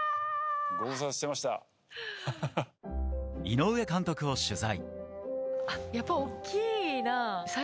井上監督を取材。